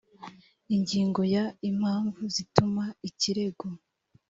ingingo ya impamvu zituma ikirego